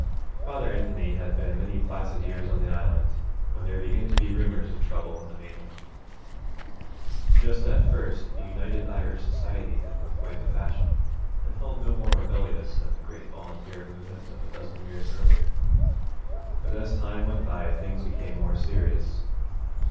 Father Anthony had been many placid years on the Island when there began to be rumours of trouble on the mainland. Just at first the United Irish Society had been quite the fashion, and held no more rebellious than the great volunteer movement of a dozen years earlier. But as time went by things became more serious.